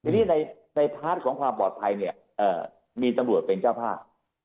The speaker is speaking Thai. ทีนี้ในพาร์ทของความปลอดภัยเนี่ยมีตำรวจเป็นเจ้าภาพ